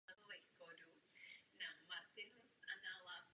Tento druh se stal významným nástrojem molekulární a vývojové biologie.